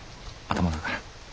頭だから。